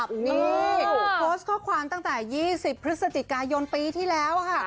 บอกว่าติดตามไทยรัสทีวีมาอย่างต่อเนื่อง